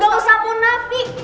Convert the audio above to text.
gak usah munafik